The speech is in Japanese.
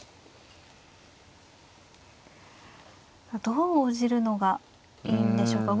どう応じるのがいいんでしょうか。